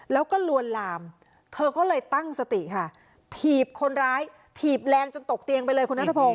แล้วก็ลวนลามเธอก็เลยตั้งสติค่ะถีบคนร้ายถีบแรงจนตกเตียงไปเลยคุณนัทพงศ